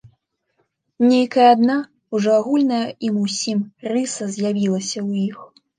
Нейкая адна, ужо агульная ім усім рыса з'явілася ў іх.